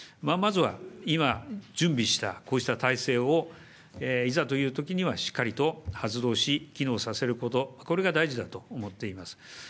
まずは今、準備した、こうした体制を、いざというときにはしっかりと発動し、機能させること、これが大事だと思っています。